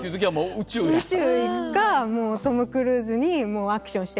宇宙行くかトム・クルーズにアクションしてもらうか。